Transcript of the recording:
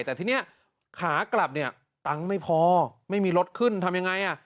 แต่ทีนี้ขากลับเนี่ยตังค์ไม่พอไม่มีรถขึ้นทำยังไงอ่ะ